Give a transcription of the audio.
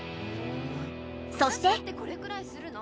そして。